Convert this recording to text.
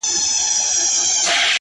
د وخت پاچا زه په يوه حالت کي رام نه کړم,